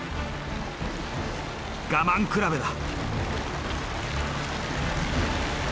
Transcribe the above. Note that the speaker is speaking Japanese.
我慢比べだ。